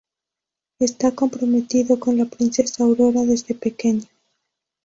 Está comprometido con la Princesa Aurora desde pequeño.